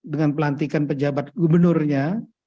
dengan pelantikan pejabat gubernurnya